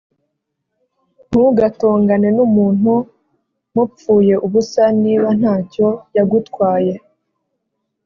ntugatongane n’umuntu mupfuye ubusa, niba nta cyo yagutwaye